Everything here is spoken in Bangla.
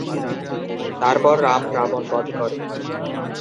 তারপর রাম রাবণ বধ করে।